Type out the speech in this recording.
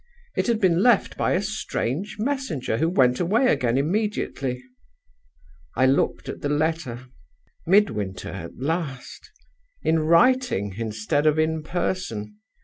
It had been left by a strange messenger who went away again immediately. I looked at the letter. Midwinter at last in writing, instead of in person.